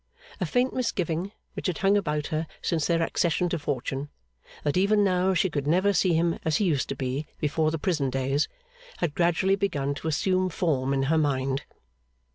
A faint misgiving, which had hung about her since their accession to fortune, that even now she could never see him as he used to be before the prison days, had gradually begun to assume form in her mind.